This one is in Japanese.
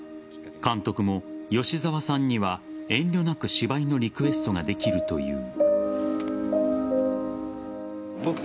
監督も吉沢さんには遠慮なく芝居のリクエストができるという。